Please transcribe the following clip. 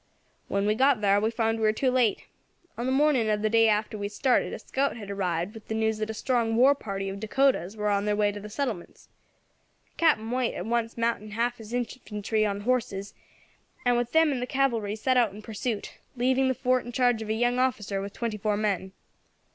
"When we got thar we found we were too late. On the morning of the day after we had started a scout had arrived with the news that a strong war party of Dacotas were on their way to the settlements. Captain White at once mounted half his infantry on horses, and with them and the cavalry set out in pursuit, leaving the fort in charge of a young officer with twenty four men.